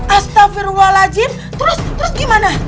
astagfirullahaladzim terus terus gimana